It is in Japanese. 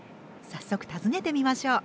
早速訪ねてみましょう。